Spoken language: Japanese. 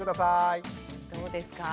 どうですか？